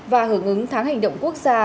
và hưởng ứng tháng hành động quốc gia